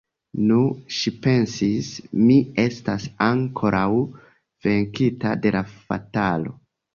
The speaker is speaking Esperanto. Nu, ŝi pensis, mi estas ankoraŭ venkita de la fatalo.